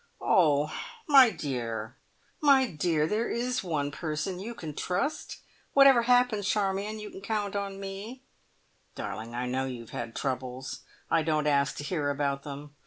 "Oh, my dear, my dear, there is one person you can trust! Whatever happens, Charmion, you can count on me! Darling! I know you have had troubles. I don't ask to hear about them.